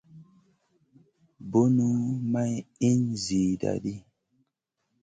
Bunu may ìhn zida di.